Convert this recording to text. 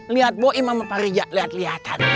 lihat boh imam pak riza lihat lihatan